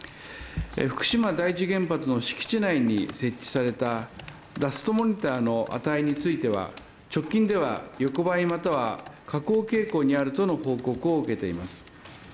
福島第１原発の敷地内に設置されたダストモニターの値については、直近では横ばいまたは下降傾向にあるとの報告を受けています。